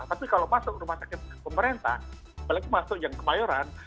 tapi kalau masuk rumah sakit pemerintah apalagi masuk yang kemayoran